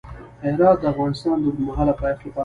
هرات د افغانستان د اوږدمهاله پایښت لپاره مهم رول لري.